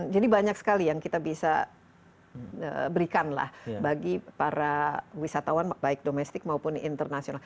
jadi banyak sekali yang kita bisa berikan lah bagi para wisatawan baik domestik maupun internasional